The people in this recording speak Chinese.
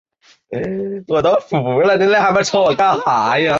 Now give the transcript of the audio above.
中华人民共和国及中华民国重申对南通礁拥有主权。